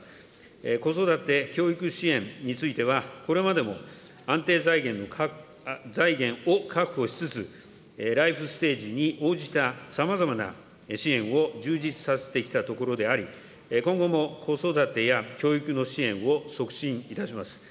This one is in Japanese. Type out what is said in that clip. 子育て・教育支援については、これまでも安定財源を確保しつつ、ライフステージに応じたさまざまな支援を充実させてきたところであり、今後も子育てや教育の支援を促進いたします。